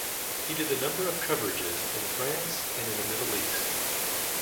He did a number of coverages in France and in the Middle East.